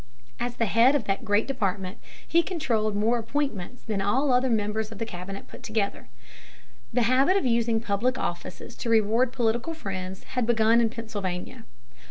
As the head of that great department, he controlled more appointments than all the other members of the cabinet put together. The habit of using public offices to reward political friends had begun in Pennsylvania.